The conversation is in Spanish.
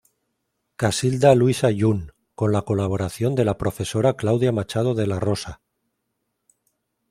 Casilda luisa Yung con la colaboración de la Profesora Claudia Machado de la Rosa.